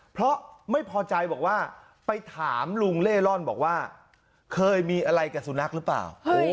เพราะไม่พอใจบอกว่าไปถามลุงเล่ร่อนบอกว่าเคยมีอะไรกับสุนัขหรือเปล่า